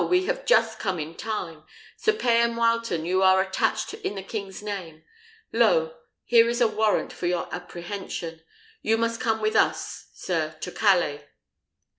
we have just come in time. Sir Payan Wileton, you are attached in the king's name. Lo, here is the warrant for your apprehension. You must come with us, sir, to Calais."